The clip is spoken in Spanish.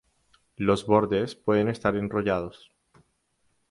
Los bordes pueden estar enrollados.